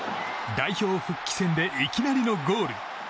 代表復帰戦でいきなりのゴール。